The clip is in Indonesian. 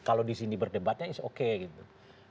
kalau disini berdebatnya is oke gitu